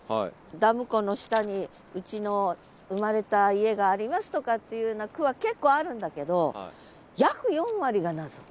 ダム湖の下にうちの生まれた家がありますとかっていうような句は結構あるんだけど「約四割」が謎。